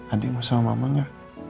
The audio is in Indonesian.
adik mau sama mamanya